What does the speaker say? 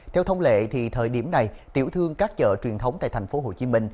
theo thông lệ thời điểm này tiểu thương các chợ truyền thống tại tp hcm